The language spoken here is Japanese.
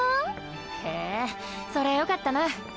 へぇそりゃよかったな。